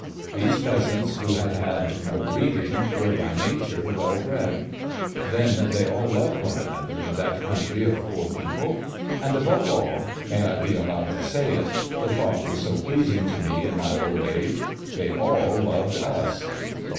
These peasants, who had had no breeding, were by nature well bred. Then they all loved one another in that country of poor people; and, above all, may I be allowed to say it? the thought is so pleasing to me in my old age, they all loved us.